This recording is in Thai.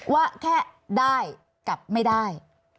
ว่าแค่ได้กับไม่ได้